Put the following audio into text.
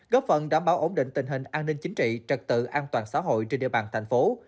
góp phần đảm bảo ổn định tình hình an ninh chính trị trật tự an toàn xã hội trên địa bàn thành phố